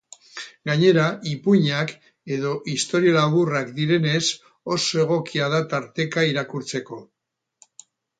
Gainera, ipuinak edo istorio laburrak direnez, oso egokia da tarteka irakurtzeko.